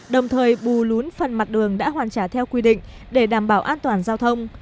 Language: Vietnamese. đồng thời bù lún phần mặt đường đã hoàn trả theo quy định để đảm bảo an toàn giao thông